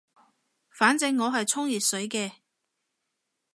反正我係沖熱水嘅